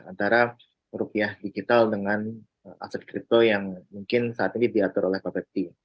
antara rupiah digital dengan aset kripto yang mungkin saat ini diatur oleh bapepti